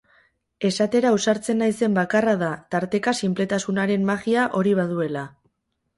Esatera ausartzen naizen bakarra da tarteka sinpletasunaren magia hori baduela.